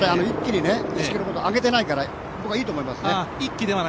一気に１ｋｍほど上げてないからいいと思います。